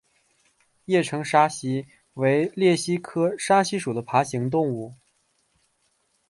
叶城沙蜥为鬣蜥科沙蜥属的爬行动物。